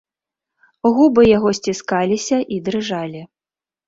Губы яго сціскаліся і дрыжалі.